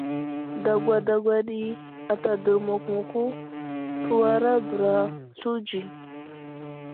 Dagwa dagwa ɗi ata dərmuk muku təwara bəra slunzi.